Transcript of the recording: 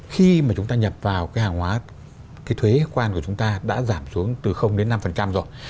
khi mà chúng ta nhập vào cái hàng hóa cái thuế quan của chúng ta đã giảm xuống từ đến năm rồi